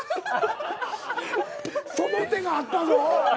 その手があったぞ！